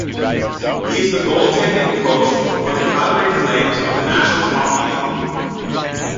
He is the goaltending coach for the Calgary Flames of the National Hockey League.